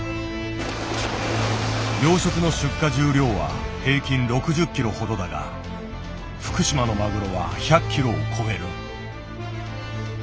養殖の出荷重量は平均６０ｋｇほどだが福島のマグロは１００ｋｇを超える。